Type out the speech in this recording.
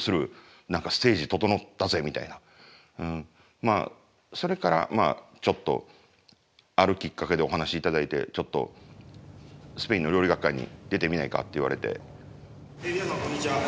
まあそれからちょっとあるきっかけでお話頂いてちょっとスペインの料理学会に出てみないかって言われて。